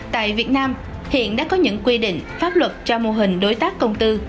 tại việt nam hiện đã có những quy định pháp luật cho mô hình đối tác công tư